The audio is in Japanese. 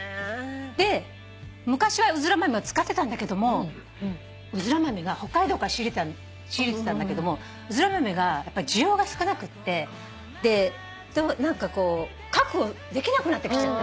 で昔はうずら豆を使ってたんだけども北海道から仕入れてたんだけどもうずら豆が需要が少なくってで何かこう確保できなくなってきちゃったの。